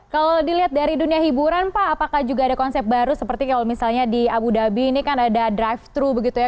kalau dilihat dari dunia hiburan pak apakah juga ada konsep baru seperti kalau misalnya di abu dhabi ini kan ada drive thru begitu ya